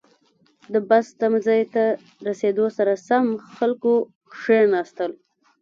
• د بس تمځي ته رسېدو سره سم، خلکو کښېناستل.